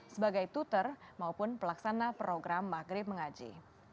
sebagai tuter maupun pelaksana program maghrib mengaji